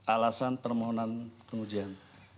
alasan permohonan pengujian